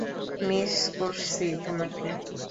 Miss করছি তোমাকে!